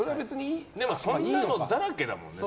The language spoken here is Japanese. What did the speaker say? でも、そんなのだらけだもんね。